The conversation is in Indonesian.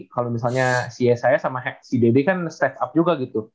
kalau misalnya si yesaya sama si dede kan step up juga gitu